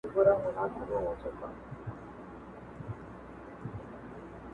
o موږ چي غلا شروع کړه، بيا سپوږمۍ راوخته٫